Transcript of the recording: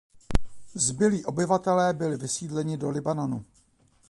Zbylí obyvatelé byli vysídleni do Libanonu.